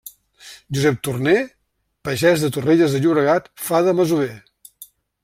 Josep Torner, pagès de Torrelles de Llobregat fa de masover.